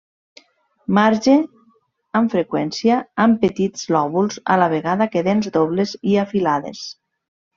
Marge amb freqüència amb petits lòbuls a la vegada que dents dobles i afilades.